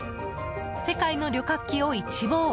世界の旅客機を一望！